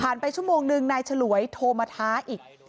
ไปชั่วโมงนึงนายฉลวยโทรมาท้าอีก